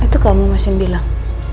itu kamu masih bilang